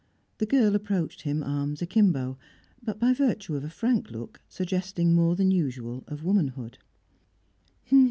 The girl approached him, arms akimbo, but, by virtue of a frank look, suggesting more than usual of womanhood.